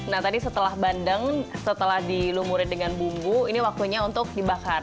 nah tadi setelah bandeng setelah dilumurin dengan bumbu ini waktunya untuk dibakar